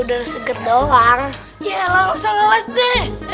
yelah gak usah ngeles deh